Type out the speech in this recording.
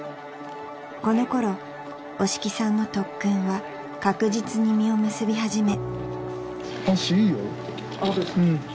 ［このころ押木さんの特訓は確実に実を結び始め］ＯＫ？